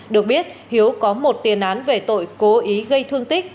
được biết hiếu có một tiền án về tội cố ý gây thương tích